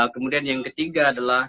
kemudian yang ketiga adalah